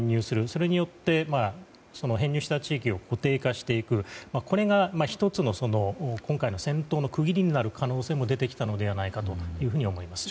それによって編入した地域を固定化していくこれが、１つの今回の戦闘の区切りになる可能性も出てきたのではないかと思います。